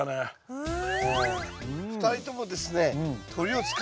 うん。